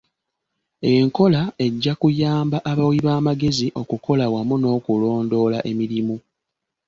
Enkola ejja kuyamba abawi b'amagezi okukola wamu n'okulondoola emirimu.